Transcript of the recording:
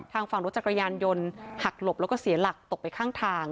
ทางฝั่งรถจักรยานยนต์หักหลบแล้วก็เสียหลักตกไปข้างทาง